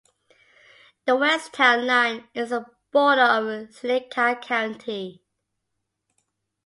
The west town line is the border of Seneca County.